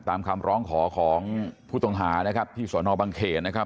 ตามคำร้องขอของผู้ตงหาที่สวนฮอล์บังเขตนะครับ